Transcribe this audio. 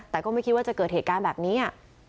แต่ก็ไม่คิดว่าจะเกิดเหตุการณ์แบบนี้